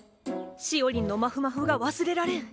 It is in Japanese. しおりんのまふまふが忘れられん！